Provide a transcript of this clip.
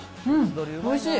おいしい。